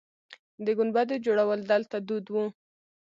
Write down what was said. د ګنبدو جوړول دلته دود و